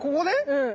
うん。